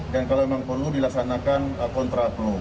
dan kalau memang perlu dilaksanakan kontra pro